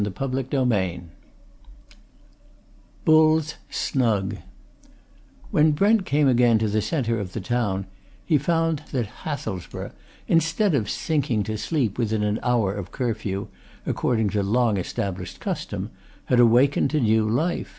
CHAPTER IV BULL'S SNUG When Brent came again to the centre of the town he found that Hathelsborough, instead of sinking to sleep within an hour of curfew, according to long established custom, had awakened to new life.